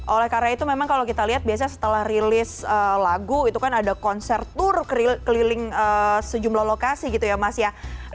oleh karena itu memang kalau kita lihat biasanya setelah rilis lagu itu kan ada konsertur keliling sejumlah lokasi gitu ya mas ya